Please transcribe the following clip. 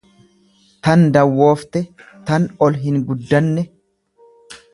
tan dawwoofte, tan ol hinguddanne.